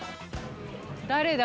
誰だ？